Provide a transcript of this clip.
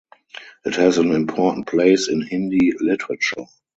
It has an important place in Hindi literature.